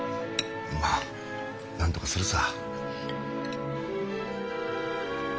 まあなんとかするさ。